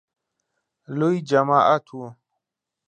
لوی جماعت و .